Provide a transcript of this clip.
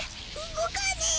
動かねぇ。